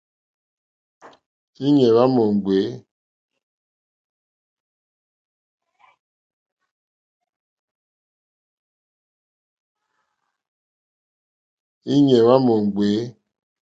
Íɲá hwá mò ŋɡbè.